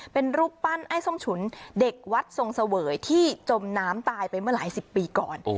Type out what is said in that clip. เป็นรูปปั้นไอ้ส้มฉุนเด็กวัดทรงเสวยที่จมน้ำตายไปเมื่อหลายสิบปีก่อน